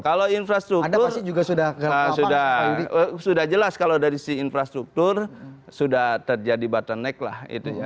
kalau infrastruktur sudah jelas kalau dari si infrastruktur sudah terjadi bottleneck lah